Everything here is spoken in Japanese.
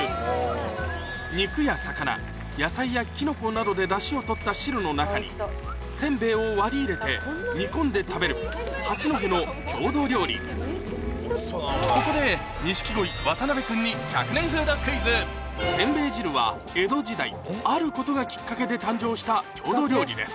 などでだしを取った汁の中にせんべいを割り入れて煮込んで食べるここで錦鯉・渡辺君にせんべい汁は江戸時代あることがきっかけで誕生した郷土料理です